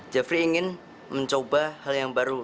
jeffrey ingin mencoba hal yang baru